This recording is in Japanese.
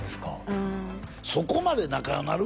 うんそこまで仲良うなる？